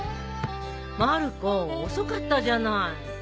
まる子遅かったじゃない。